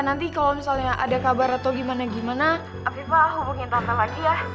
nanti kalau misalnya ada kabar atau gimana gimana afifah hubungin tante lagi ya